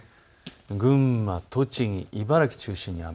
群馬、栃木、茨城中心に雨。